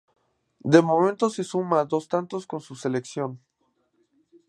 De momento suma dos tantos con su selección.